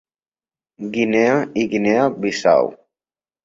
Guinea i Guinea Bissau.